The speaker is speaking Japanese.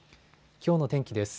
きょうの天気です。